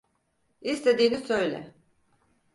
İstediğini söyle.